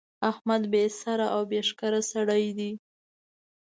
احمد بې سره او بې ښکره سړی دی.